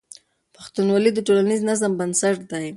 پښتونولي د ټولنیز نظم بنسټ دی.